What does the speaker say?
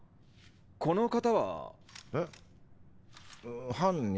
この方は？え犯人？